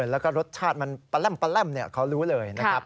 แล้วก็รสชาติมันแล่มเขารู้เลยนะครับ